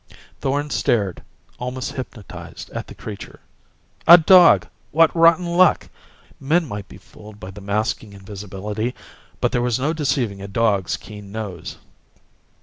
Thorn stared, almost hypnotized, at the creature. A dog! What rotten luck! Men might be fooled by the masking invisibility, but there was no deceiving a dog's keen nose!